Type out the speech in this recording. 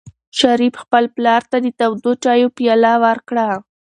شریف خپل پلار ته د تودو چایو پیاله ورکړه.